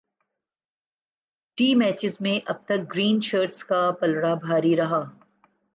T matches میں اب تک گرین شرٹس کا پلڑا بھاری رہا